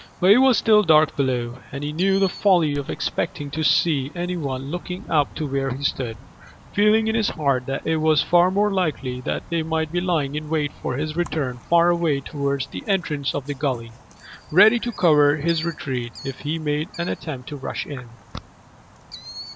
But it was still dark below, and he knew the folly of expecting to see any one looking up to where he stood, feeling in his heart that it was far more likely that they might be lying in wait for his return far away towards the entrance of the gully, ready to cover his retreat if he made an attempt to rush in.